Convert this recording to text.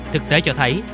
thực tế cho thấy